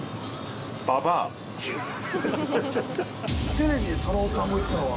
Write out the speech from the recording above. テレビでその単語言ったのは？